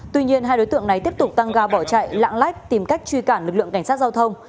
tuy nhiên hai đối tượng này tiếp tục tăng ga bỏ chạy lạng lách tìm cách truy cản lực lượng cảnh sát giao thông